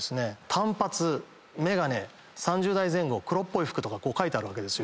短髪眼鏡３０代前後黒っぽい服とかこう書いてあるわけですよ。